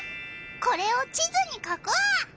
これを地図に書こう！